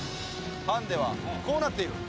ハンデはこうなっている。